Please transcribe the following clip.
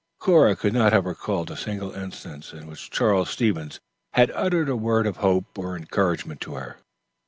Cora could not have recalled a single instance in which Charles Stevens had uttered a word of hope or encouragement to her.